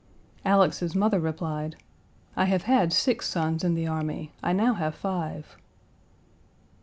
Alex's mother replied, "I have had six sons in the army; I now have five."